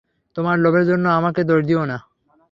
তোমার লোভের জন্য আমাকে দোষ দিও না।